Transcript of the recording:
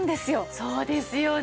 そうですよね。